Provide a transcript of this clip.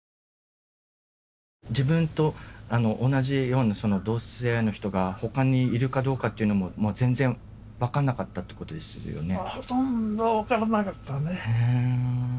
自分と同じような同性愛の人がほかにいるかどうかっていうのも全然わかんなかったってことですよね？